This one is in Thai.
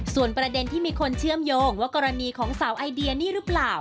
ส่วนประเด็นที่มีคนเชื่อมโยงว่ากรณีของสาวไอเดียนี่หรือเปล่า